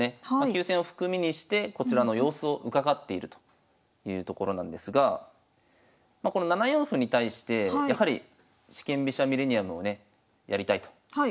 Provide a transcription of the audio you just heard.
急戦を含みにしてこちらの様子を伺っているというところなんですがこの７四歩に対してやはり四間飛車ミレニアムをねやりたいと。